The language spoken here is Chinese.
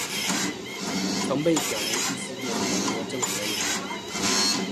曾被选为第四届全国政协委员。